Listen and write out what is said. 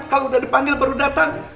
kalo udah dipanggil baru datang